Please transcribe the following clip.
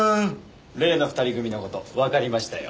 例の２人組の事わかりましたよ。